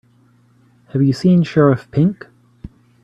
Have you seen Sheriff Pink?